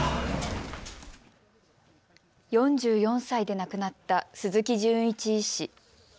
４４歳で亡くなった鈴木純一医師。